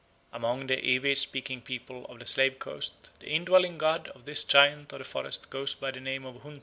Among the Ewespeaking peoples of the Slave Coast the indwelling god of this giant of the forest goes by the name of Huntin.